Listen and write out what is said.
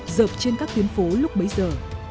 dợp trên các tuyến phố lúc bấy giờ